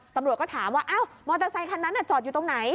ตำรวจก็ถามว่ามอเตอร์ไซคันนั้นจอดอยู่ตรงไหน